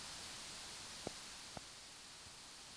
ellos han bebido